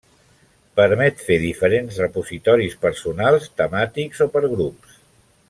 Permet fer diferents repositoris personals temàtics o per grups.